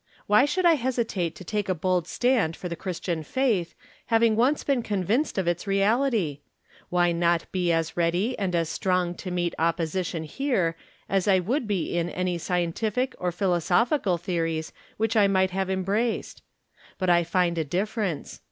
Why should I hesitate to take a bold stand for the Christian faith, having once been convinced of its reality ? Why not be as ready and as strong to meet opposition here as I would be in any scientific or philosophical the ories which I might have embraced ? But I find a difference.